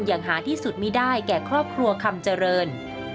อย่างหาที่สุดไม่ได้แก่ครอบครัวคำเจริญ